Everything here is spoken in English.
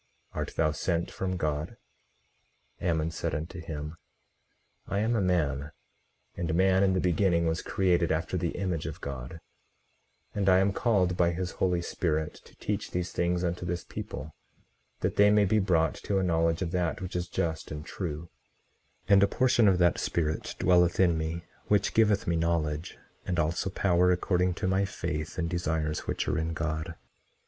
Art thou sent from God? 18:34 Ammon said unto him: I am a man; and man in the beginning was created after the image of God, and I am called by his Holy Spirit to teach these things unto this people, that they may be brought to a knowledge of that which is just and true; 18:35 And a portion of that Spirit dwelleth in me, which giveth me knowledge, and also power according to my faith and desires which are in God.